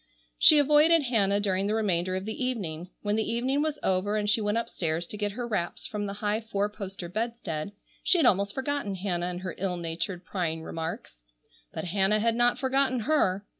She avoided Hannah during the remainder of the evening. When the evening was over and she went upstairs to get her wraps from the high four poster bedstead, she had almost forgotten Hannah and her ill natured, prying remarks. But Hannah had not forgotten her.